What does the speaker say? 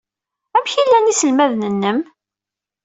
Amek ay llan yiselmaden-nnem?